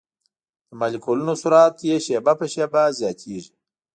د مالیکولونو سرعت یې شېبه په شېبه زیاتیږي.